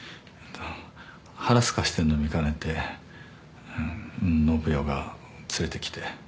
腹すかしてんの見かねて信代が連れてきて。